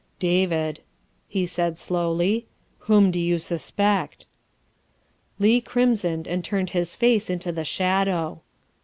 " David," he said slowly, " whom did you suspect?" Leigh crimsoned and turned his face into the shadow.